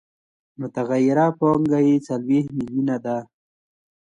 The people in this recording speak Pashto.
متغیره پانګه یې څلوېښت میلیونه ده